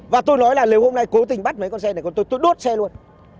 và tôi nói là nếu hôm nay cố tình bắt mấy con xe này tôi đốt xe luôn